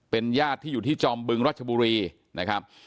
เป็นญาติที่อยู่ที่จอมบึงรัชบุรีนะครับ